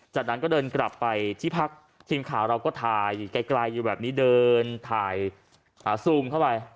จากนั้นก็เดินกลับไปที่พักทีมข่าวเราก็ถ่ายไกลอยู่แบบนี้เดินถ่ายซูมเข้าไป